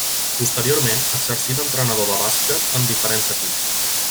Posteriorment exercí d'entrenador de bàsquet en diferents equips.